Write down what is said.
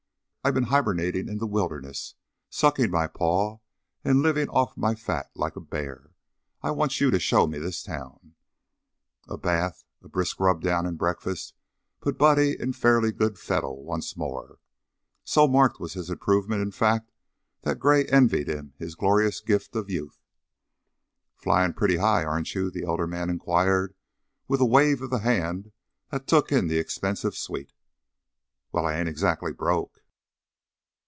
"I've been hibernating in the wilderness, sucking my paw and living off my fat, like a bear. I want you to shown me this town." A bath, a brisk rubdown, and breakfast put Buddy in fairly good fettle once more; so marked was his improvement, in fact, that Gray envied him his glorious gift of youth. "Flying pretty high, aren't you?" the elder man inquired, with a wave of the hand that took in the expensive suite. "Well, I ain't exactly broke."